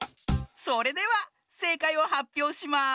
それではせいかいをはっぴょうします。